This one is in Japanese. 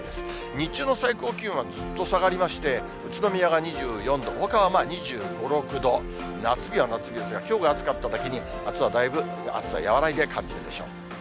日中の最高気温はぐっと下がりまして、宇都宮が２４度、ほかは２５、６度、夏日は夏日ですが、きょうが暑かっただけに、あすはだいぶ暑さ和らいで感じるでしょう。